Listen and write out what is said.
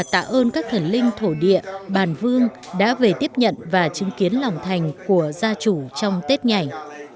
tạ ơn các thần linh thổ địa bàn vương đã về tiếp nhận và chứng kiến lòng thành của gia chủ trong tết nhảy